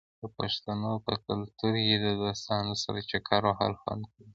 د پښتنو په کلتور کې د دوستانو سره چکر وهل خوند کوي.